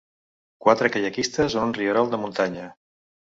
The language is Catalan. Quatre caiaquistes en un rierol de muntanya.